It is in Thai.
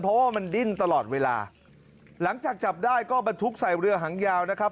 เพราะว่ามันดิ้นตลอดเวลาหลังจากจับได้ก็บรรทุกใส่เรือหางยาวนะครับ